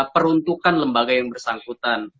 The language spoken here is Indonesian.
peruntukan lembaga yang bersangkutan